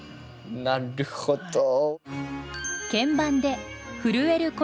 なるほど。